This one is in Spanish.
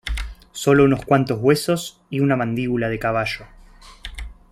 Sólo unos cuantos huesos y una mandíbula de caballo"".